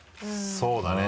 そうだね。